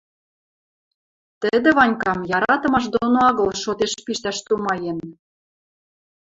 Тӹдӹ Ванькам яратымаш доно агыл шотеш пиштӓш тумаен.